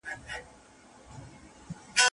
چي وطن یې کړ خالي له غلیمانو